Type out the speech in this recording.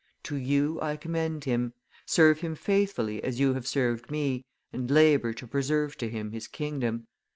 "To you I commend him; serve him faithfully as you have served me, and labor to preserve to him his kingdom.